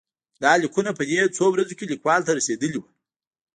دا لیکونه په دې څو ورځو کې لیکوال ته رسېدلي وو.